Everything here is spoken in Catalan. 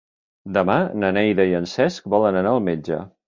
Demà na Neida i en Cesc volen anar al metge.